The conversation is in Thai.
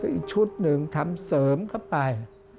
อีกชุดหนึ่งทำเสริมเข้าไป